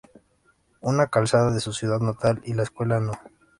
Una calzada de su ciudad natal y la Escuela No.